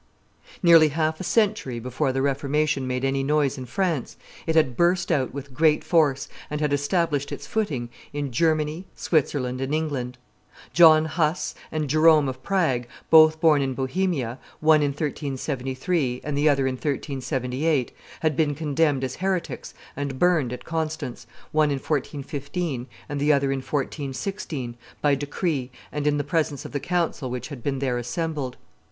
Nearly half a century before the Reformation made any noise in France it had burst out with great force and had established its footing in Germany, Switzerland, and England. John Huss and Jerome of Prague, both born in Bohemia, one in 1373 and the other in 1378, had been condemned as heretics and burned at Constance, one in 1415 and the other in 1416, by decree and in the presence of the council which had been there assembled.